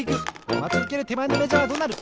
まちうけるてまえのメジャーはどうなる？